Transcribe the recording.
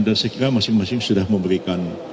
dan sekiranya masing masing sudah memberikan